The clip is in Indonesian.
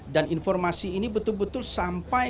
dan informasi ini betul betul sampai